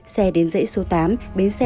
xe đến dãy số tám bến xe một mươi bốn